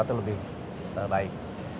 itu lebih baik